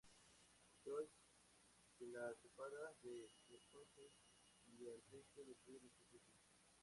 Croix —que la separa de Wisconsin— y al este del río Misisipi.